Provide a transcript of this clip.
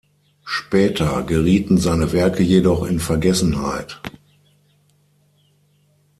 Später gerieten seine Werke jedoch in Vergessenheit.